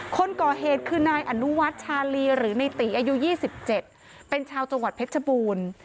คนก่อเหตุคือนายอนุวัฒน์ชาลีหรือในตีอายุ๒๗เป็นชาวจังหวัดเพชรบูรณ์